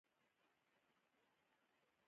سټیم حجرې هم ورسره کرار کرار